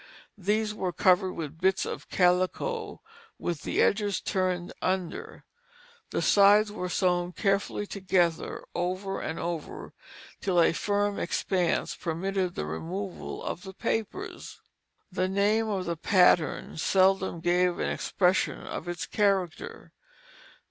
These were covered with the bits of calico with the edges turned under; the sides were sewed carefully together over and over, till a firm expanse permitted the removal of the papers. The name of the pattern seldom gave an expression of its character.